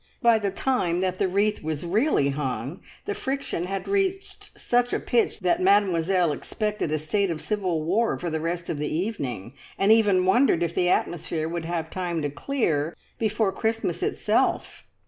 By the time that the wreath was really hung, the friction had reached such a pitch that Mademoiselle expected a state of civil war for the rest of the evening, and even wondered if the atmosphere would have time to clear before Christmas itself.